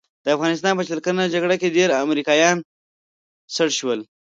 د افغانستان په شل کلنه جګړه کې ډېر امریکایان سټ شول.